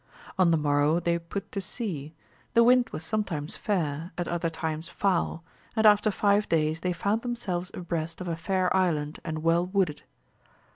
On the morrow they put to sea, the wind was sometimes fair, at other times foul, and after five days they found themselves abreast of a fair island and well wooded.